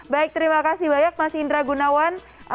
baik terima kasih banyak mas indra gunawan